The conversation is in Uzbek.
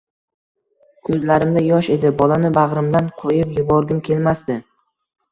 Ko‘zlarimda yosh edi, bolani bag‘rimdan qo‘yib yuborgim kelmasdi.